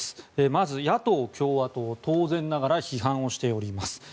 まず、野党・共和党は当然ながら批判しております。